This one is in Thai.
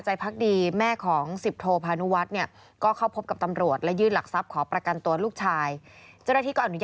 ใจพักดีแม่ของสิบโทษพันวัด